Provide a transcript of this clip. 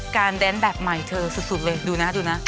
แดนแบบใหม่เธอสุดเลยดูนะดูนะ